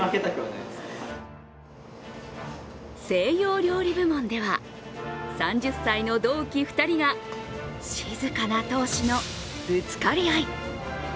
西洋料理部門では３０歳の同期２人が静かな闘志のぶつかり合い。